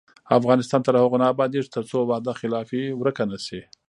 افغانستان تر هغو نه ابادیږي، ترڅو وعده خلافي ورکه نشي.